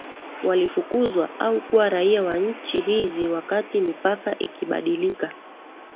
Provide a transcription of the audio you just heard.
Walifukuzwa au kuwa raia wa nchi hizi wakati mipaka ikibadilika